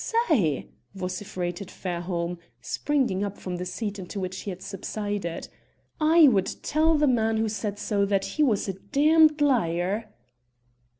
"Say!" vociferated Fairholme, springing up from the seat into which he had subsided, "I would tell the man who said so that he was a d d liar!"